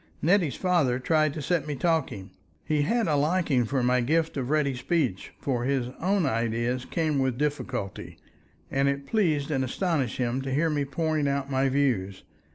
Nettie's father tried to set me talking; he had a liking for my gift of ready speech, for his own ideas came with difficulty, and it pleased and astonished him to hear me pouring out my views.